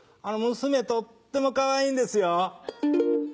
娘、とってもかわいいんですよ。